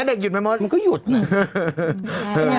ไม่รู้แต่สมมติฉันหยิกนะเถอะ